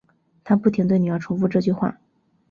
她不停对女儿重复这句话